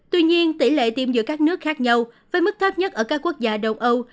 tuy nhiên tỷ lệ tiêm giữa các nước khác nhau với mức thấp nhất ở các quốc gia đông âu